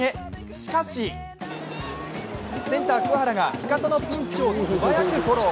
しかしセンター・桑原が味方のピンチを素早くフォロー。